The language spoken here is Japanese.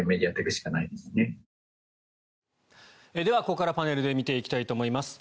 ここからパネルで見ていきたいと思います。